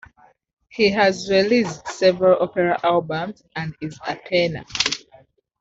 He has released several opera albums and is a tenor.